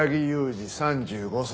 二３５歳。